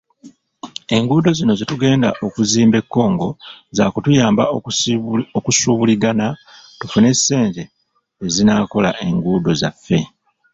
Enguudo zino ze tugenda okuzimba e Congo zaakutuyamba kusuubuligana tufune ssente ezinaakola enguudo zaffe.